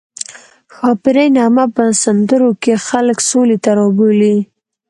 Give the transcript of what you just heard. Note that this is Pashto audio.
ښاپیرۍ نغمه په سندرو کې خلک سولې ته رابولي